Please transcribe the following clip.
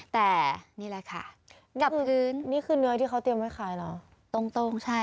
แต่นี่แหละค่ะดับพื้นนี่คือเนื้อที่เขาเตรียมไว้ขายเหรอตรงใช่